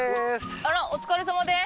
あらお疲れさまです。